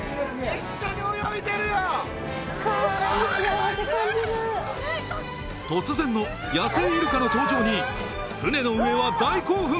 一緒に泳いでるよかわいい幸せ感じる突然の野生イルカの登場に船の上は大興奮！